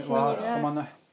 止まらない。